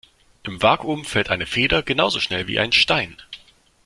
Im Vakuum fällt eine Feder genauso schnell wie ein Stein.